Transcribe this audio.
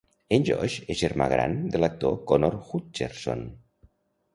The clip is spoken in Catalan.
En Josh és germà gran de l'actor Connor Hutcherson.